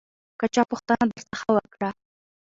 که چا پوښتنه درڅخه وکړه